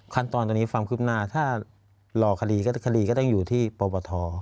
ขั้นตอนตอนนี้ความคืบหน้าถ้ารอคดีก็คดีก็ต้องอยู่ที่ปปท